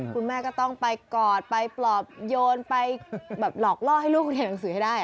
คุณแม่ก็ต้องไปกอดไปปลอบโยนไปแบบหลอกล่อให้ลูกคุณเรียนหนังสือให้ได้